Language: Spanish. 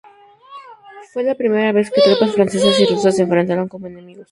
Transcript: Fue la primera vez que tropas francesas y rusas se enfrentaron como enemigos.